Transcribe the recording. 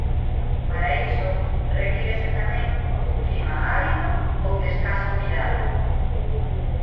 Para iso requírese tamén dun clima árido ou de escasa humidade.